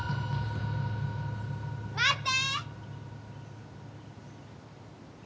・待って！